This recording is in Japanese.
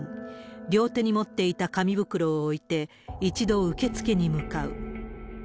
両手に持っていた紙袋を置いて、一度受付に向かう。